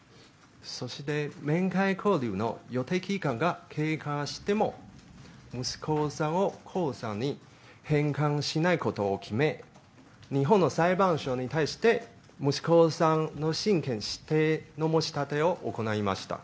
そして、面会交流の予定期間が経過しても、息子さんを江さんに返還しないことを決め、日本の裁判所に対して、息子さんの親権指定の申し立てを行いました。